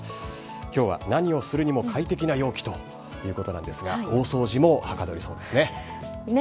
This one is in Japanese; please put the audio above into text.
きょうは何をするにも快適な陽気ということなんですが、大掃除もはかどりそうですね。ね。